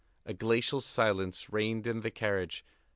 A glacial silence reigned in the carriage.